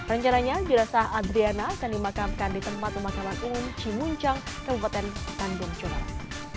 rencananya jenazah adriana akan dimakamkan di tempat pemakaman umum cimuncang kabupaten bandung jawa barat